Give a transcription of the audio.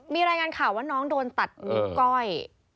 มีรายงานข่าวว่าน้องโดนตัดนิ้วก้อย